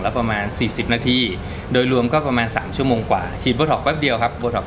งานที่เราทำหน้าใหม่